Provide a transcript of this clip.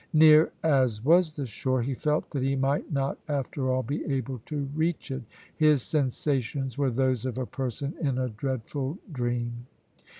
Near as was the shore, he felt that he might not, after all, be able to reach it. His sensations were those of a person in a dreadful dream.